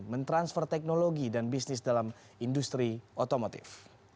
mentransfer teknologi dan bisnis dalam industri otomotif